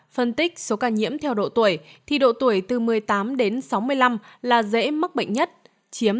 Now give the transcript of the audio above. phân tích số ca nhiễm theo độ tuổi thì độ tuổi từ một mươi tám đến sáu mươi năm là dễ mắc bệnh nhất chiếm tám mươi sáu bảy mươi bảy